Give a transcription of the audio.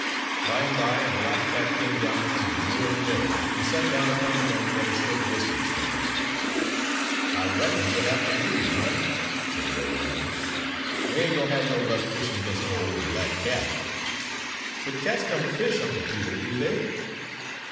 By and by a black cat came down from the ruined mill, and sat down upon the bank at a short distance from them. "I reckon we'll haf ter move, honey," said the old man. "We ain't gwine ter have no luck fishin' 'g'ins' no ole black cat." "But cats don't fish, Uncle Peter, do they?"